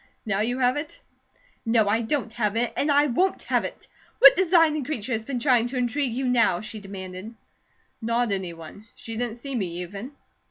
Now you have it!" "No, I don't have it, and I won't have it! What designing creature has been trying to intrigue you now?" she demanded. "Not any one. She didn't see me, even.